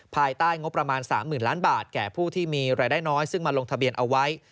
ภายใต้งบประมาณ๓๐๐๐ล้านบาทแก่ผู้ที่มีรายได้น้อยซึ่งมาลงทะเบียนเอาไว้